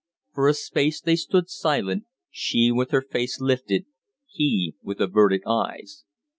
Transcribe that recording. For a space they stood silent, she with her face lifted, he with averted eyes.